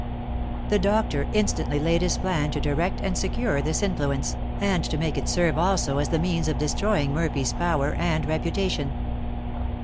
The doctor instantly laid his plan to direct and secure this influence, and to make it serve also as the means of destroying Murphy's power and reputation.